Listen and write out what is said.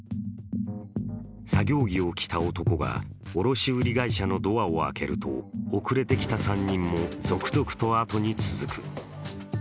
作業着を着た男が卸売会社のドアを開けると遅れてきた３人も続々とあとに続く。